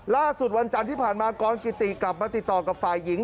วันจันทร์ที่ผ่านมากรกิติกลับมาติดต่อกับฝ่ายหญิง